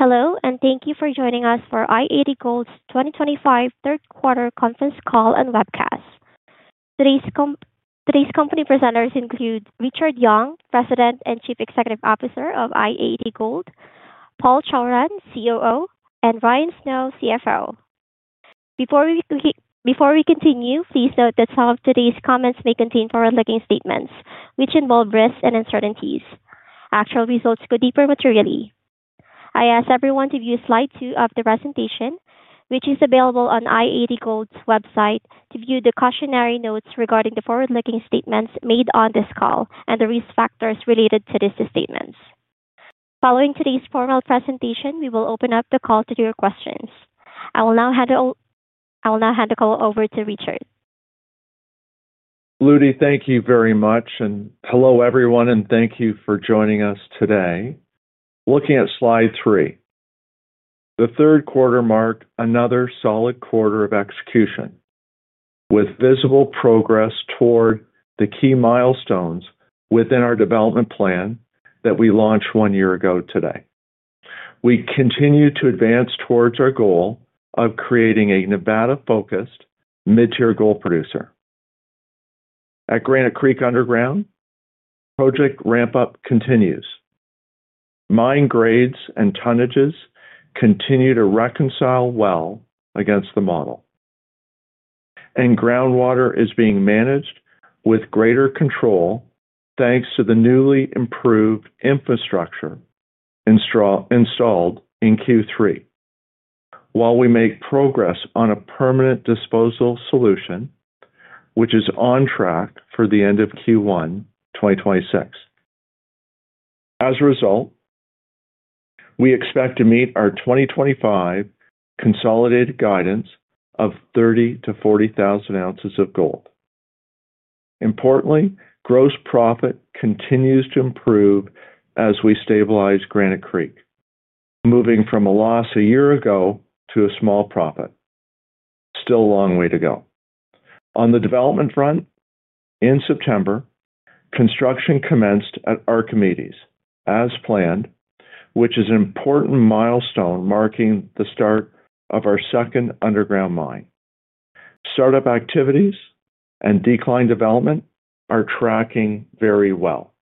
Hello, and thank you for joining us for i-80 Gold's 2025 third quarter conference call and webcast. Today's company presenters include Richard Young, President and Chief Executive Officer of i-80 Gold, Paul Chawrun, COO, and Ryan Snow, CFO. Before we continue, please note that some of today's comments may contain forward-looking statements, which involve risks and uncertainties. Actual results could differ materially. I ask everyone to view Slide two of the presentation, which is available on i-80 Gold's website, to view the cautionary notes regarding the forward-looking statements made on this call and the risk factors related to these statements. Following today's formal presentation, we will open up the call to your questions. I will now hand the call over to Richard. Ludi, thank you very much, and hello everyone, and thank you for joining us today. Looking at Slide three, the third quarter marked another solid quarter of execution, with visible progress toward the key milestones within our development plan that we launched one year ago today. We continue to advance towards our goal of creating a Nevada-focused mid-tier gold producer. At Granite Creek Underground, project ramp-up continues. Mine grades and tonnages continue to reconcile well against the model, and groundwater is being managed with greater control thanks to the newly improved infrastructure installed in Q3, while we make progress on a permanent disposal solution, which is on track for the end of Q1 2026. As a result, we expect to meet our 2025 consolidated guidance of 30,000-40,000 ounces of gold. Importantly, gross profit continues to improve as we stabilize Granite Creek, moving from a loss a year ago to a small profit. Still a long way to go. On the development front, in September, construction commenced at Archimedes, as planned, which is an important milestone marking the start of our second underground mine. Startup activities and decline development are tracking very well.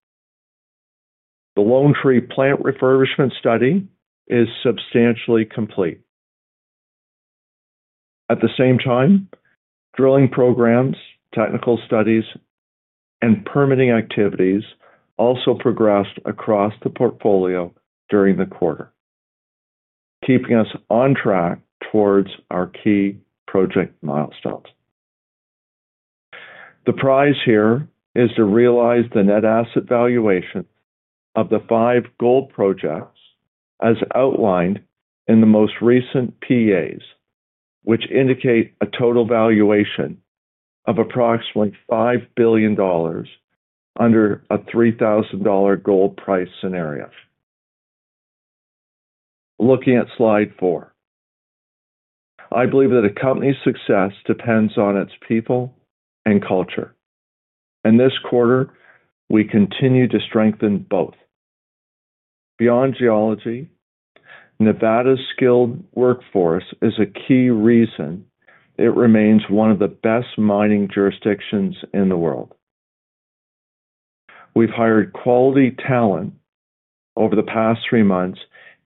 The Lone Tree plant refurbishment study is substantially complete. At the same time, drilling programs, technical studies, and permitting activities also progressed across the portfolio during the quarter, keeping us on track towards our key project milestones. The prize here is to realize the net asset valuation of the five gold projects as outlined in the most recent PAs, which indicate a total valuation of approximately $5 billion under a $3,000 gold price scenario. Looking at Slide four, I believe that a company's success depends on its people and culture. In this quarter, we continue to strengthen both. Beyond geology, Nevada's skilled workforce is a key reason it remains one of the best mining jurisdictions in the world. We've hired quality talent over the past three months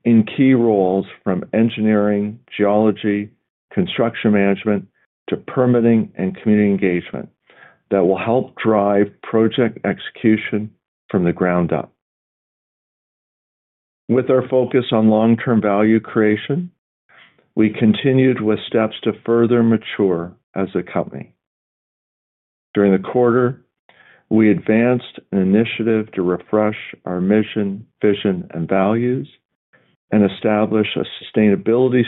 in key roles from engineering, geology, construction management, to permitting and community engagement that will help drive project execution from the ground up. With our focus on long-term value creation, we continued with steps to further mature as a company. During the quarter, we advanced an initiative to refresh our mission, vision, and values, and establish a sustainability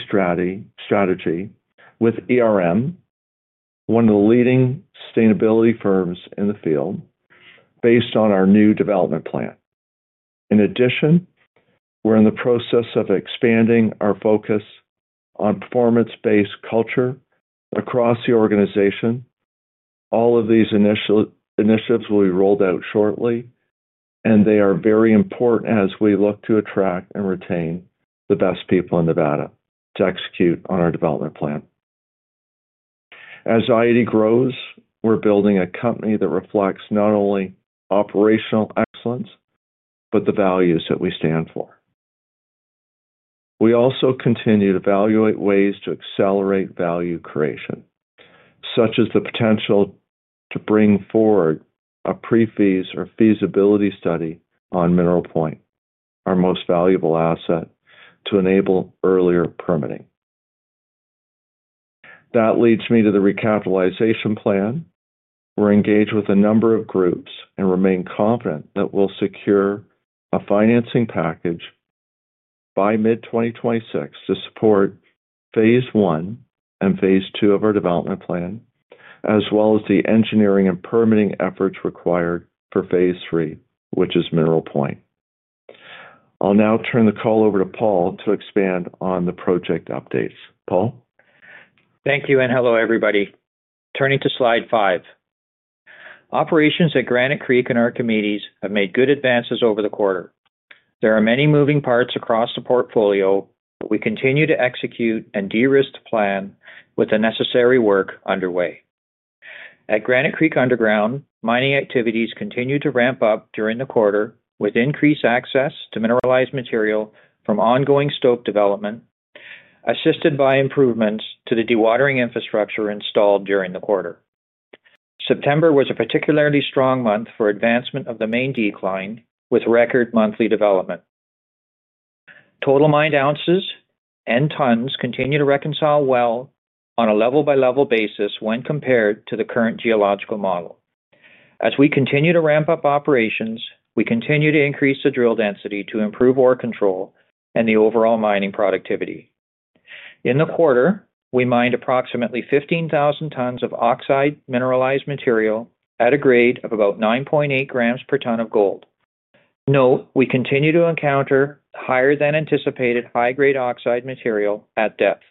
strategy with one of the leading sustainability firms in the field, based on our new development plan. In addition, we're in the process of expanding our focus on performance-based culture across the organization. All of these initiatives will be rolled out shortly, and they are very important as we look to attract and retain the best people in Nevada to execute on our development plan. As i-80 grows, we're building a company that reflects not only operational excellence but the values that we stand for. We also continue to evaluate ways to accelerate value creation, such as the potential to bring forward a pre-feas or feasibility study on Mineral Point, our most valuable asset, to enable earlier permitting. That leads me to the recapitalization plan. We're engaged with a number of groups and remain confident that we'll secure a financing package by mid-2026 to support phase I and phase II of our development plan, as well as the engineering and permitting efforts required for phase III, which is Mineral Point. I'll now turn the call over to Paul to expand on the project updates. Paul? Thank you, and hello, everybody. Turning to Slide five, operations at Granite Creek and Archimedes have made good advances over the quarter. There are many moving parts across the portfolio, but we continue to execute and de-risk the plan with the necessary work underway. At Granite Creek Underground, mining activities continue to ramp up during the quarter with increased access to mineralized material from ongoing stope development, assisted by improvements to the dewatering infrastructure installed during the quarter. September was a particularly strong month for advancement of the main decline, with record monthly development. Total mined ounces and tons continue to reconcile well on a level-by-level basis when compared to the current geological model. As we continue to ramp up operations, we continue to increase the drill density to improve ore control and the overall mining productivity. In the quarter, we mined approximately 15,000 tons of oxide mineralized material at a grade of about 9.8 g per ton of gold. Note, we continue to encounter higher-than-anticipated high-grade oxide material at depth.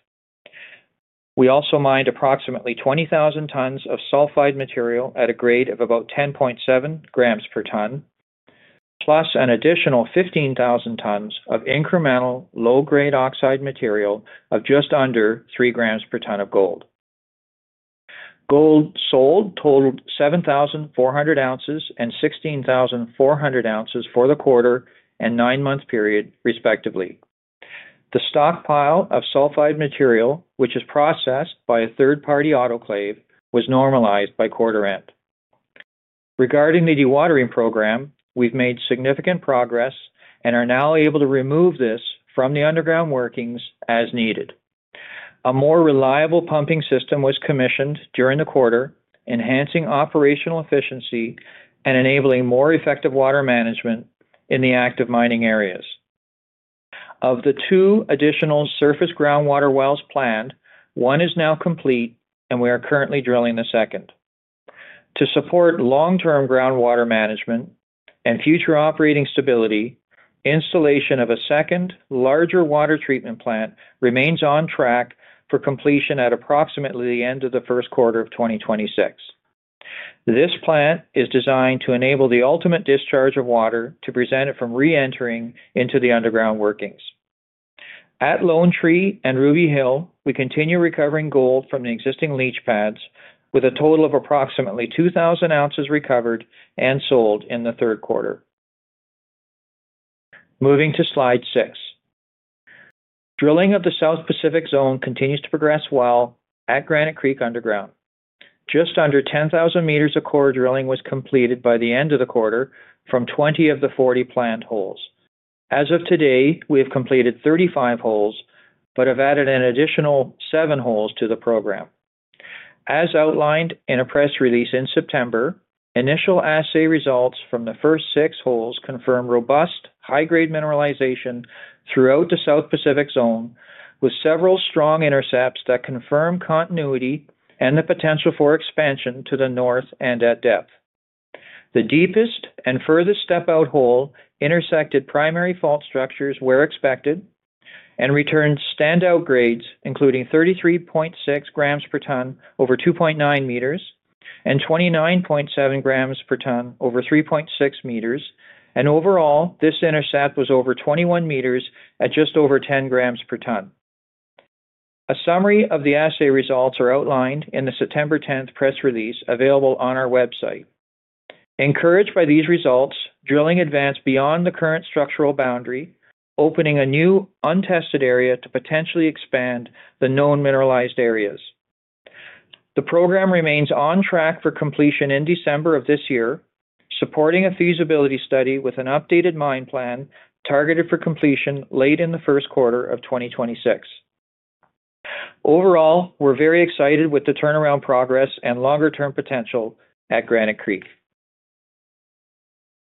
We also mined approximately 20,000 tons of sulfide material at a grade of about 10.7 grams per ton, plus an additional 15,000 tons of incremental low-grade oxide material of just under 3 g per ton of gold. Gold sold totaled 7,400 ounces and 16,400 ounces for the quarter and nine-month period, respectively. The stockpile of sulfide material, which is processed by a third-party autoclave, was normalized by quarter-end. Regarding the dewatering program, we've made significant progress and are now able to remove this from the underground workings as needed. A more reliable pumping system was commissioned during the quarter, enhancing operational efficiency and enabling more effective water management in the active mining areas. Of the two additional surface groundwater wells planned, one is now complete, and we are currently drilling the second. To support long-term groundwater management and future operating stability, installation of a second, larger water treatment plant remains on track for completion at approximately the end of the first quarter of 2026. This plant is designed to enable the ultimate discharge of water to prevent it from re-entering into the underground workings. At Lone Tree and Ruby Hill, we continue recovering gold from the existing leach pads, with a total of approximately 2,000 ounces recovered and sold in the third quarter. Moving to Slide six, drilling of the South Pacific Zone continues to progress well at Granite Creek Underground. Just under 10,000 m of core drilling was completed by the end of the quarter from 20 of the 40 planned holes. As of today, we have completed 35 holes but have added an additional 7 holes to the program. As outlined in a press release in September, initial assay results from the first six holes confirm robust high-grade mineralization throughout the South Pacific Zone, with several strong intercepts that confirm continuity and the potential for expansion to the north and at depth. The deepest and furthest step-out hole intersected primary fault structures where expected and returned standout grades, including 33.6 g per ton over 2.9 m and 29.7 g per ton over 3.6 m. Overall, this intercept was over 21 m at just over 10 g per ton. A summary of the assay results is outlined in the September 10th press release available on our website. Encouraged by these results, drilling advanced beyond the current structural boundary, opening a new untested area to potentially expand the known mineralized areas. The program remains on track for completion in December of this year, supporting a feasibility study with an updated mine plan targeted for completion late in the first quarter of 2026. Overall, we're very excited with the turnaround progress and longer-term potential at Granite Creek.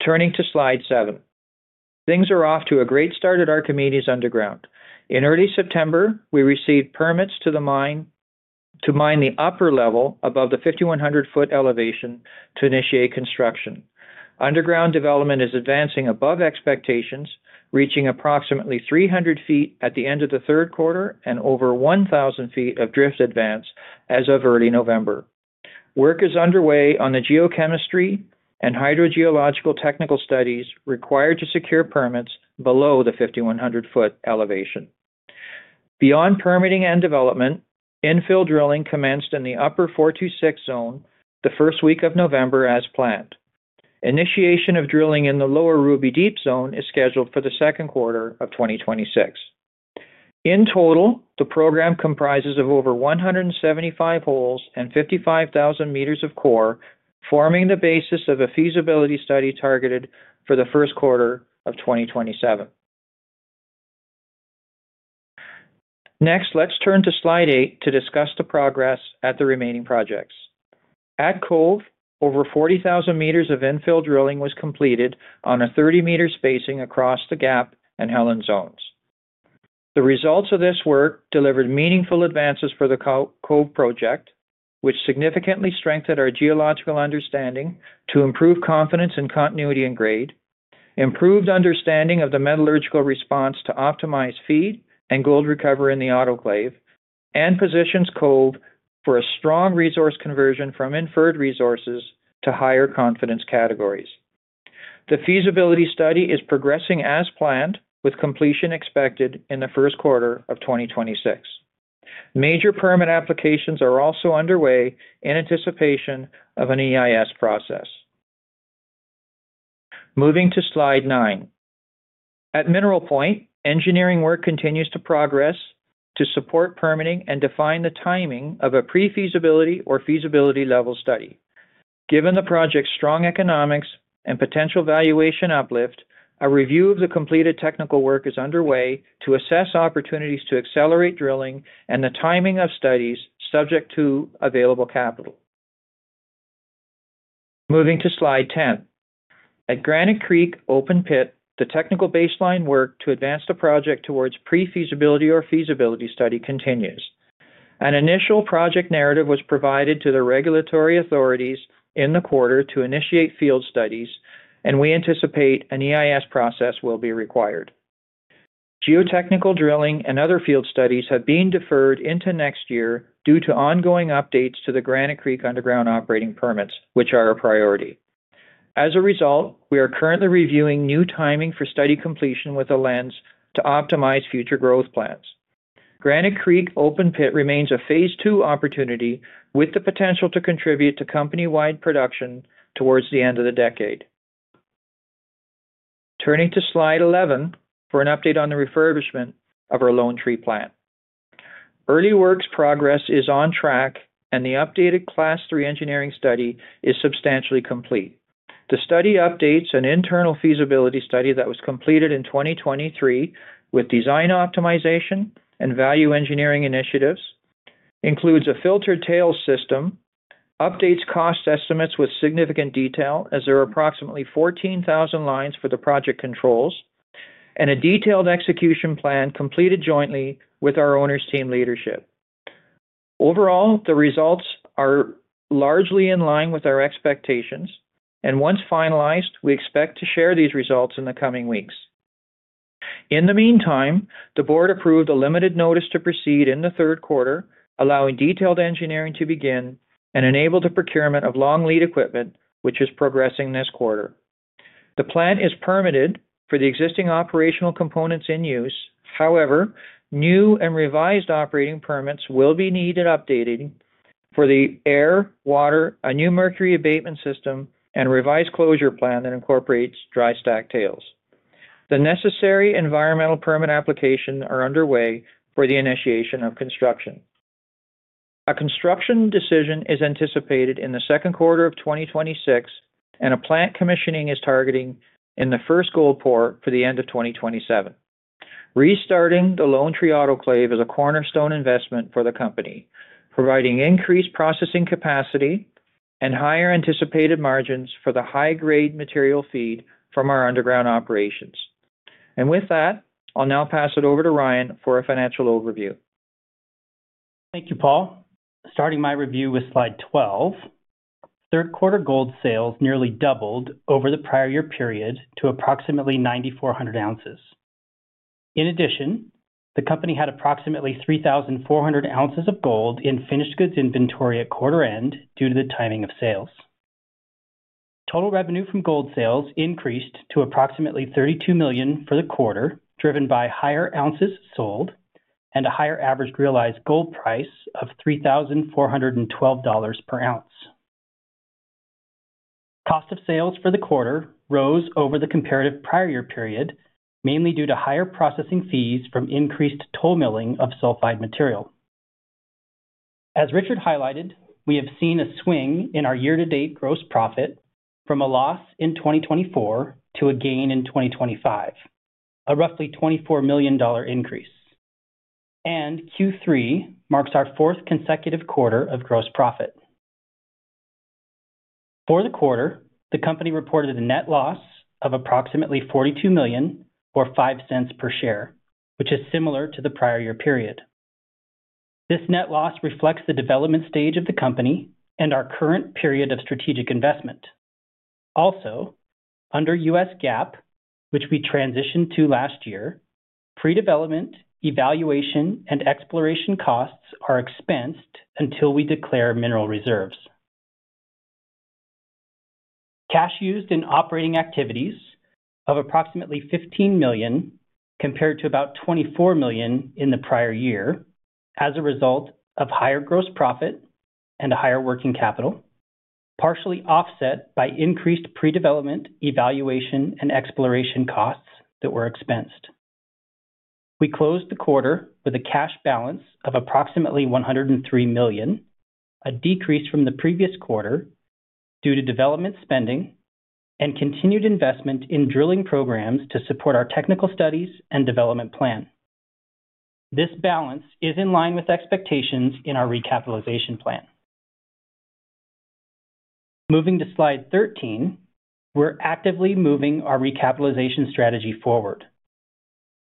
Turning to Slide seven, things are off to a great start at Archimedes Underground. In early September, we received permits to mine the upper level above the 5,100-foot elevation to initiate construction. Underground development is advancing above expectations, reaching approximately 300 ft at the end of the third quarter and over 1,000 ft of drift advance as of early November. Work is underway on the geochemistry and hydrogeological technical studies required to secure permits below the 5,100-foot elevation. Beyond permitting and development, infill drilling commenced in the upper 426 zone the first week of November as planned. Initiation of drilling in the lower Ruby Deep zone is scheduled for the second quarter of 2026. In total, the program comprises over 175 holes and 55,000 m of core, forming the basis of a feasibility study targeted for the first quarter of 2027. Next, let's turn to Slide eight to discuss the progress at the remaining projects. At Cove, over 40,000 m of infill drilling was completed on a 30 m spacing across the Gap and Helen zones. The results of this work delivered meaningful advances for the Cove project, which significantly strengthened our geological understanding to improve confidence in continuity and grade, improved understanding of the metallurgical response to optimize feed and gold recovery in the autoclave, and positions Cove for a strong resource conversion from inferred resources to higher confidence categories. The feasibility study is progressing as planned, with completion expected in the first quarter of 2026. Major permit applications are also underway in anticipation of an EIS process. Moving to Slide nine, at Mineral Point, engineering work continues to progress to support permitting and define the timing of a pre-feasibility or feasibility level study. Given the project's strong economics and potential valuation uplift, a review of the completed technical work is underway to assess opportunities to accelerate drilling and the timing of studies subject to available capital. Moving to Slide 10, at Granite Creek Open Pit, the technical baseline work to advance the project towards pre-feasibility or feasibility study continues. An initial project narrative was provided to the regulatory authorities in the quarter to initiate field studies, and we anticipate an EIS process will be required. Geotechnical drilling and other field studies have been deferred into next year due to ongoing updates to the Granite Creek Underground operating permits, which are a priority. As a result, we are currently reviewing new timing for study completion with a lens to optimize future growth plans. Granite Creek Open Pit remains a phase II opportunity with the potential to contribute to company-wide production towards the end of the decade. Turning to Slide 11 for an update on the refurbishment of our Lone Tree plant. Early works progress is on track, and the updated Class 3 engineering study is substantially complete. The study updates an internal feasibility study that was completed in 2023 with design optimization and value engineering initiatives, includes a filtered tail system, updates cost estimates with significant detail as there are approximately 14,000 lines for the project controls, and a detailed execution plan completed jointly with our owners' team leadership. Overall, the results are largely in line with our expectations, and once finalized, we expect to share these results in the coming weeks. In the meantime, the board approved a limited notice to proceed in the third quarter, allowing detailed engineering to begin and enabled the procurement of long-lead equipment, which is progressing this quarter. The plant is permitted for the existing operational components in use. However, new and revised operating permits will be needed, updating for the air, water, a new mercury abatement system, and revised closure plan that incorporates dry stack tails. The necessary environmental permit applications are underway for the initiation of construction. A construction decision is anticipated in the second quarter of 2026, and a plant commissioning is targeting in the first gold pour for the end of 2027. Restarting the Lone Tree autoclave is a cornerstone investment for the company, providing increased processing capacity and higher anticipated margins for the high-grade material feed from our underground operations. With that, I'll now pass it over to Ryan for a financial overview. Thank you, Paul. Starting my review with Slide 12, third quarter gold sales nearly doubled over the prior year period to approximately 9,400 ounces. In addition, the company had approximately 3,400 ounces of gold in finished goods inventory at quarter-end due to the timing of sales. Total revenue from gold sales increased to approximately $32 million for the quarter, driven by higher ounces sold and a higher average realized gold price of $3,412 per ounce. Cost of sales for the quarter rose over the comparative prior year period, mainly due to higher processing fees from increased toll milling of sulfide material. As Richard highlighted, we have seen a swing in our year-to-date gross profit from a loss in 2024 to a gain in 2025, a roughly $24 million increase. Q3 marks our fourth consecutive quarter of gross profit. For the quarter, the company reported a net loss of approximately $42 million or $0.05 per share, which is similar to the prior year period. This net loss reflects the development stage of the company and our current period of strategic investment. Also, under U.S. GAAP, which we transitioned to last year, pre-development, evaluation, and exploration costs are expensed until we declare mineral reserves. Cash used in operating activities of approximately $15 million compared to about $24 million in the prior year as a result of higher gross profit and a higher working capital, partially offset by increased pre-development, evaluation, and exploration costs that were expensed. We closed the quarter with a cash balance of approximately $103 million, a decrease from the previous quarter due to development spending and continued investment in drilling programs to support our technical studies and development plan. This balance is in line with expectations in our recapitalization plan. Moving to Slide 13, we're actively moving our recapitalization strategy forward.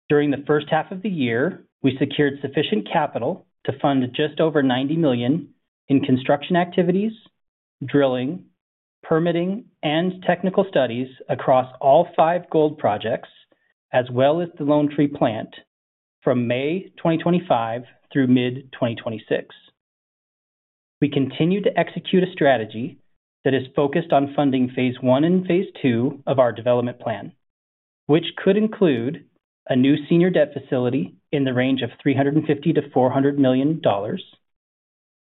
During the first half of the year, we secured sufficient capital to fund just over $90 million in construction activities, drilling, permitting, and technical studies across all five gold projects, as well as the Lone Tree plant from May 2025 through mid-2026. We continue to execute a strategy that is focused on funding Phase I and phase II of our development plan, which could include a new senior debt facility in the range of $350 million-$400 million,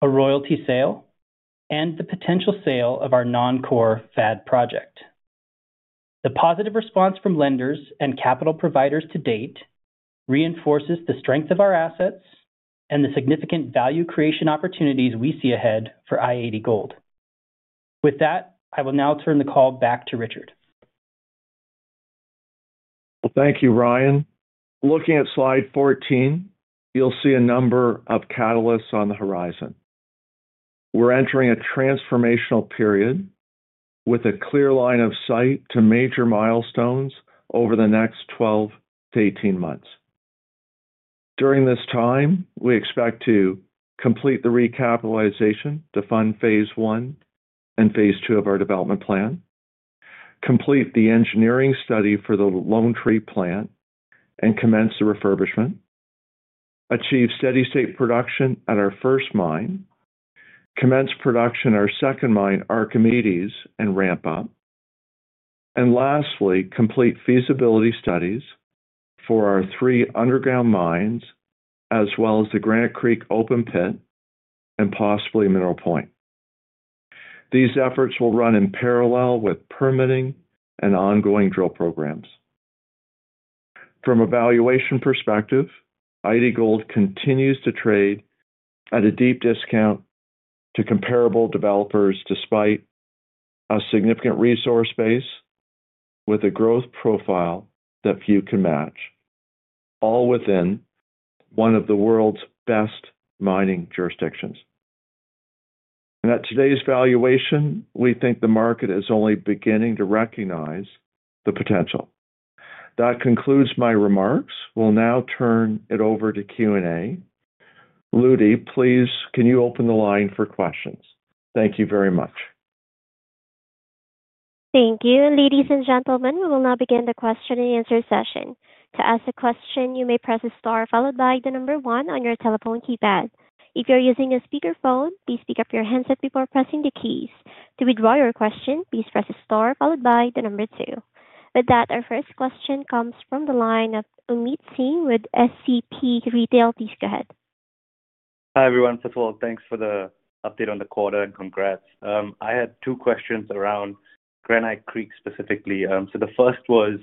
a royalty sale, and the potential sale of our non-core FAD project. The positive response from lenders and capital providers to date reinforces the strength of our assets and the significant value creation opportunities we see ahead for i-80 Gold. With that, I will now turn the call back to Richard. Thank you, Ryan. Looking at Slide 14, you'll see a number of catalysts on the horizon. We're entering a transformational period with a clear line of sight to major milestones over the next 12-18 months. During this time, we expect to complete the recapitalization to fund phase I and phase II of our development plan, complete the engineering study for the Lone Tree plant, and commence the refurbishment, achieve steady-state production at our first mine, commence production at our second mine, Archimedes, and ramp up, and lastly, complete feasibility studies for our three underground mines, as well as the Granite Creek Open Pit and possibly Mineral Point. These efforts will run in parallel with permitting and ongoing drill programs. From a valuation perspective, i-80 Gold continues to trade at a deep discount to comparable developers despite a significant resource base with a growth profile that few can match, all within one of the world's best mining jurisdictions. At today's valuation, we think the market is only beginning to recognize the potential. That concludes my remarks. We'll now turn it over to Q&A. Ludi, please, can you open the line for questions? Thank you very much. Thank you. Ladies and gentlemen, we will now begin the question-and-answer session. To ask a question, you may press the star followed by the number one on your telephone keypad. If you're using a speakerphone, please pick up your handset before pressing the keys. To withdraw your question, please press the star followed by the number two. With that, our first question comes from the line of Omeet Singh with SCP Retail. Please go ahead. Hi everyone. First of all, thanks for the update on the quarter and congrats. I had two questions around Granite Creek specifically. The first was,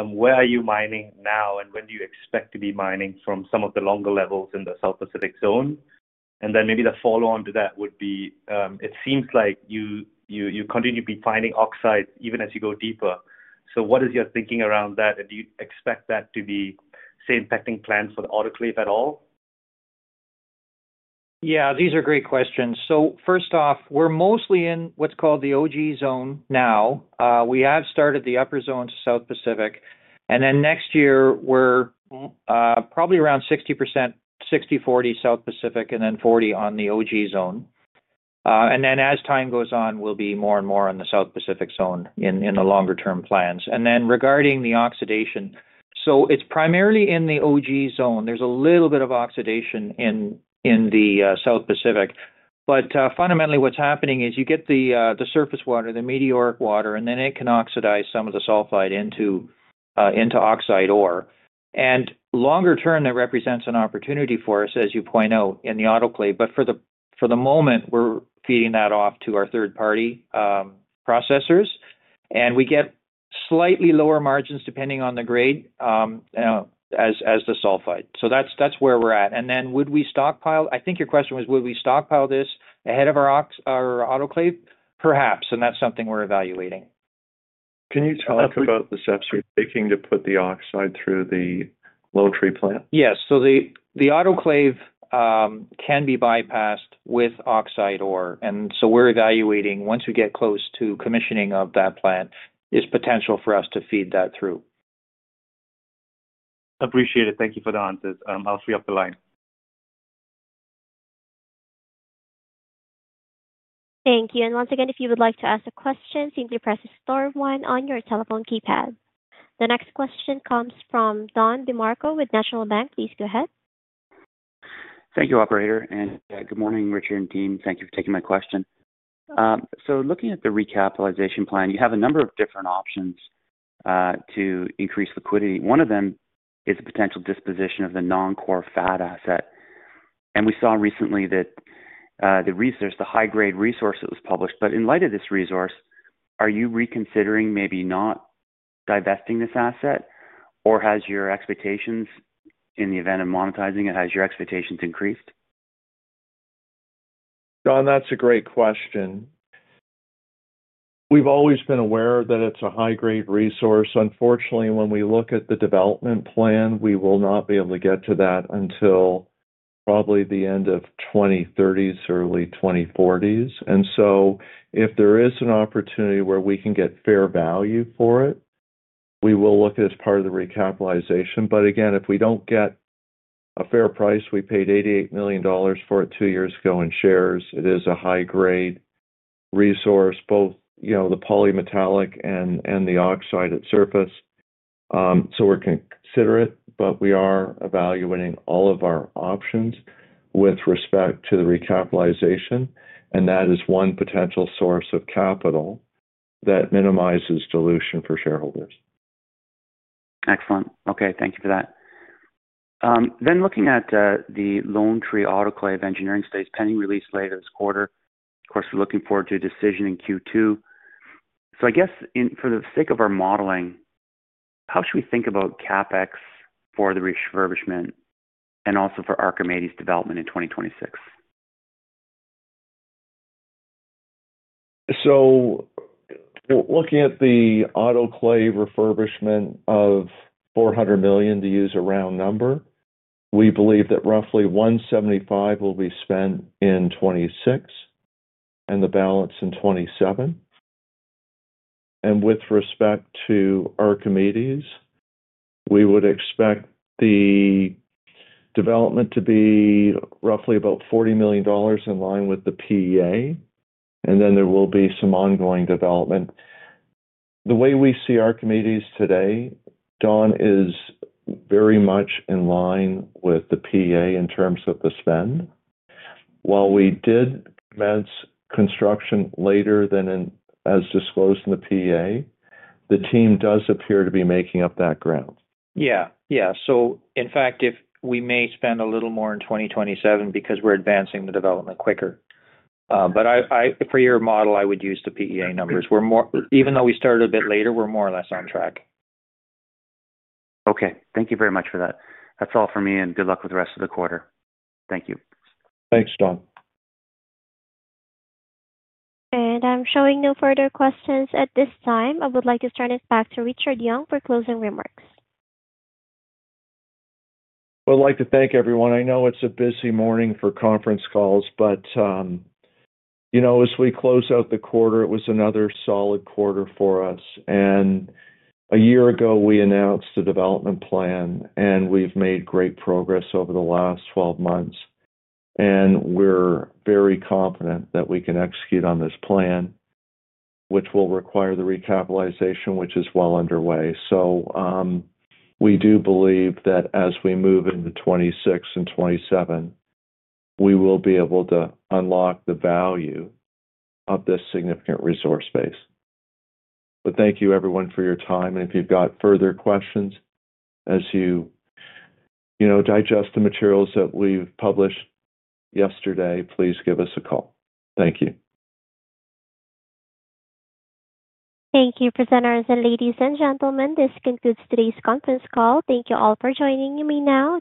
where are you mining now and when do you expect to be mining from some of the longer levels in the South Pacific Zone? Maybe the follow-on to that would be, it seems like you continue to be finding oxides even as you go deeper. What is your thinking around that? Do you expect that to be, say, impacting plans for the autoclave at all? Yeah, these are great questions. First off, we're mostly in what's called the OG Zone now. We have started the upper zone to South Pacific. Next year, we're probably around 60%, 60-40 South Pacific and then 40% on the OG Zone. As time goes on, we'll be more and more on the South Pacific Zone in the longer-term plans. Regarding the oxidation, it's primarily in the OG Zone. There's a little bit of oxidation in the South Pacific. Fundamentally, what's happening is you get the surface water, the meteoric water, and then it can oxidize some of the sulfide into oxide ore. Longer-term, that represents an opportunity for us, as you point out, in the autoclave. For the moment, we're feeding that off to our third-party processors. We get slightly lower margins depending on the grade as the sulfide. That is where we are at. Would we stockpile? I think your question was, would we stockpile this ahead of our autoclave? Perhaps. That is something we are evaluating. Can you talk about the steps you're taking to put the oxide through the Lone Tree plant? Yes. The autoclave can be bypassed with oxide ore. We are evaluating, once we get close to commissioning of that plant, the potential for us to feed that through. Appreciate it. Thank you for the answers. I'll switch off the line. Thank you. If you would like to ask a question, simply press the star one on your telephone keypad. The next question comes from Don DeMarco with National Bank. Please go ahead. Thank you, Operator. Good morning, Richard and team. Thank you for taking my question. Looking at the recapitalization plan, you have a number of different options to increase liquidity. One of them is the potential disposition of the non-core FAD asset. We saw recently that the research, the high-grade resource that was published. In light of this resource, are you reconsidering maybe not divesting this asset? Has your expectations in the event of monetizing it, has your expectations increased? Don, that's a great question. We've always been aware that it's a high-grade resource. Unfortunately, when we look at the development plan, we will not be able to get to that until probably the end of the 2030s, early 2040s. If there is an opportunity where we can get fair value for it, we will look at it as part of the recapitalization. If we do not get a fair price, we paid $88 million for it two years ago in shares. It is a high-grade resource, both the polymetallic and the oxide at surface. We are considerate, but we are evaluating all of our options with respect to the recapitalization. That is one potential source of capital that minimizes dilution for shareholders. Excellent. Okay. Thank you for that. Then looking at the Lone Tree autoclave engineering studies pending release later this quarter, of course, we're looking forward to a decision in Q2. I guess for the sake of our modeling, how should we think about CapEx for the refurbishment and also for Archimedes' development in 2026? Looking at the autoclave refurbishment of $400 million, to use a round number, we believe that roughly $175 million will be spent in 2026 and the balance in 2027. With respect to Archimedes, we would expect the development to be roughly about $40 million in line with the PEA. There will be some ongoing development. The way we see Archimedes today, Don, is very much in line with the PEA in terms of the spend. While we did commence construction later than as disclosed in the PEA, the team does appear to be making up that ground. Yeah. Yeah. In fact, we may spend a little more in 2027 because we're advancing the development quicker. For your model, I would use the PEA numbers. Even though we started a bit later, we're more or less on track. Okay. Thank you very much for that. That's all for me. Good luck with the rest of the quarter. Thank you. Thanks, Don. I'm showing no further questions at this time. I would like to turn it back to Richard Young for closing remarks. I would like to thank everyone. I know it is a busy morning for conference calls, but as we close out the quarter, it was another solid quarter for us. A year ago, we announced the development plan, and we have made great progress over the last 12 months. We are very confident that we can execute on this plan, which will require the recapitalization, which is well underway. We do believe that as we move into 2026 and 2027, we will be able to unlock the value of this significant resource base. Thank you, everyone, for your time. If you have further questions as you digest the materials that we published yesterday, please give us a call. Thank you. Thank you, presenters and ladies and gentlemen. This concludes today's conference call. Thank you all for joining me now.